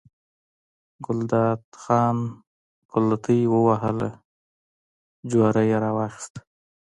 ګلداد خان پلتۍ ووهله، جواری یې راواخیست.